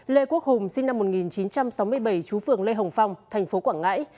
lê quốc hùng sinh năm một nghìn chín trăm sáu mươi bảy chú phường lê hồng phong thành phố quảng ngãi